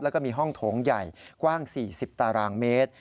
แล้วก็มีห้องโถงใหญ่กว้าง๔๐ตารางเมตร